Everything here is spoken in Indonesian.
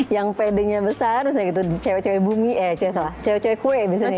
yang pedenya besar misalnya gitu cewek cewek bumi eh salah cewek cewek kue biasanya